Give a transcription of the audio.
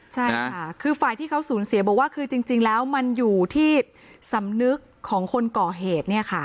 ใช่ค่ะคือฝ่ายที่เขาสูญเสียบอกว่าคือจริงแล้วมันอยู่ที่สำนึกของคนก่อเหตุเนี่ยค่ะ